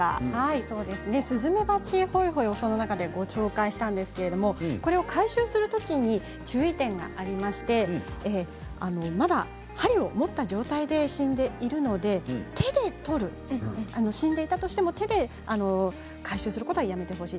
スズメバチホイホイをその中でご紹介したんですけれどもこれを回収するときに注意点がありましてまだ針を持った状態で死んでいるので死んでいたとしても手で回収することはやめてほしい。